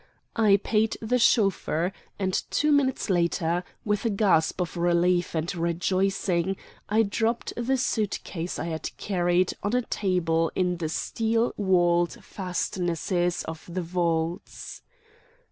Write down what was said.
I paid the chauffeur, and two minutes later, with a gasp of relief and rejoicing, I dropped the suit case I had carried on a table in the steel walled fastnesses of the vaults.